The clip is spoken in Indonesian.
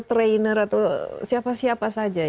trainer atau siapa siapa saja